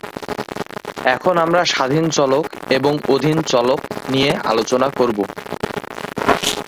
এখন আমরা স্বাধীন চলক এবং অধীন চলক নিয়ে আলোচনা করব।